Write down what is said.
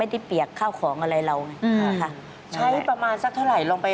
อันนี้เป็นทางแรกที่ได้ยินนะ